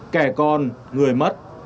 kẻ con người mất